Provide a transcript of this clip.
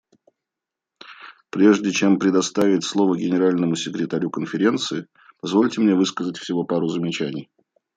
Прежде чем предоставить слово Генеральному секретарю Конференции, позвольте мне высказать всего пару замечаний.